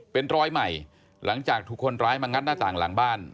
เป็นรอยใหม่หลังจากถูกคนร้ายมางัดหน้าต่างหลังบ้าน